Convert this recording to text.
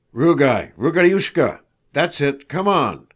"Rugáy, Rugáyushka! That's it, come on!"